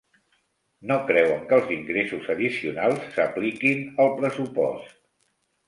No creuen que els ingressos addicionals s'apliquin al pressupost.